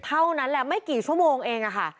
เท่านั้นแหละไม่กี่ชั่วโมงเองค่ะ